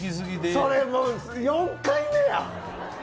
それもう、４回目や。